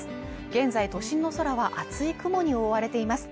現在都心の空は厚い雲に覆われています